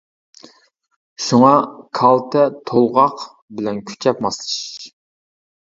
شۇڭا، كالتە تولغاق بىلەن كۈچەپ ماسلىشىش.